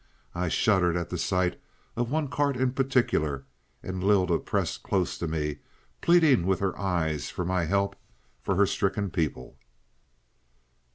I shuddered at the sight of one cart in particular, and Lylda pressed close to me, pleading with her eyes for my help for her stricken people.